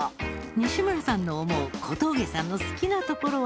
西村さんの思う小峠さんの好きなところは？